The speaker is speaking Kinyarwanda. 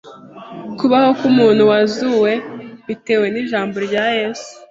Kubaho k'umuntu wazuwe bitewe n'ijambo rya Yesu,